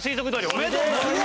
おめでとうございます。